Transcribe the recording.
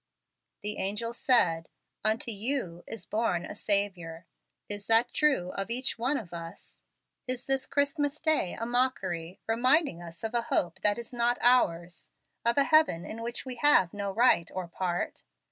The angel said, 'Unto YOU is born a Saviour.' Is that true of each one of us? Is this Christmas day a mockery, reminding us of a hope that is not ours, of a heaven in which we have no right or part?